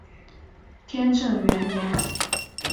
天正元年。